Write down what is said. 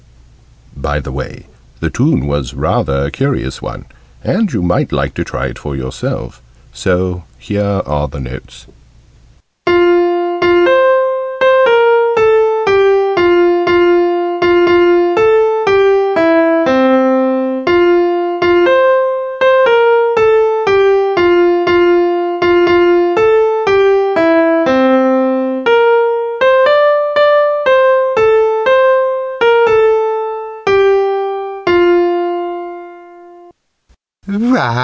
By the way, the tune was rather a curious one, and you might like to try it for yourself, so here are the notes.